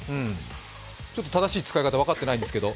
ちょっと正しい使い方、分かってないんですけど。